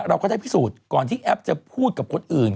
เราก็ได้พิสูจน์ก่อนที่แอปจะพูดกับคนอื่น